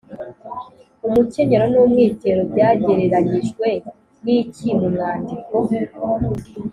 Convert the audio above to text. umukenyero n’umwitero byagereranyijwe n’iki mu mwandiko?